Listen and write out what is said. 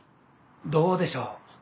どうでしょう。